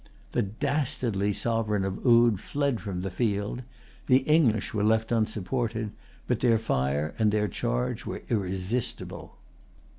The dastardly sovereign of Oude fled from the field. The English were left unsupported; but their fire and their charge were irresistible.